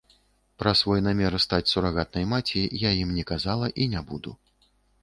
Пра свой намер стаць сурагатнай маці я ім не казала, і не буду.